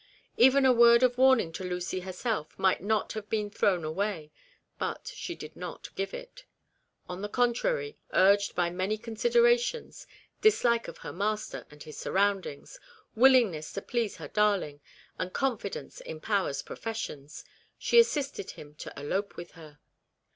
Even a word of warn ing to Lucy herself might not have been thrown away, but she did not give it. On the con trary, urged by many considerations, dislike of her master and his surroundings, willingness to please her darling, and confidence in Power's professions, she assisted him to elope with her.